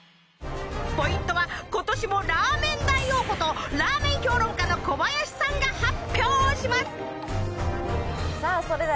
ポイントは今年もラーメン大王ことラーメン評論家の小林さんが発表します。